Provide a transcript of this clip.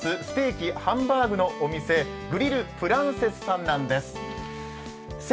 ステーキハンバーグのお店グリルプランセスさんです。